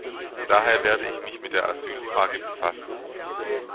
Daher werde ich mich mit der Asylfrage befassen.